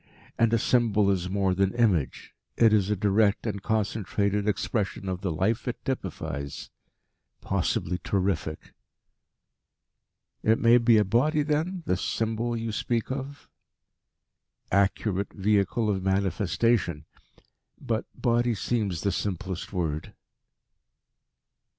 And a symbol is more than image, it is a direct and concentrated expression of the life it typifies possibly terrific." "It may be a body, then, this symbol you speak of." "Accurate vehicle of manifestation; but 'body' seems the simplest word."